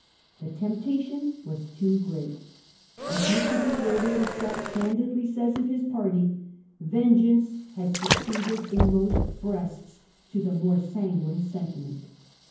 The temptation was too great. As Mr. Disraeli hims elf candidly says of his party, ' vengeance had succeeded in most breasts to the more sanguine sentiment.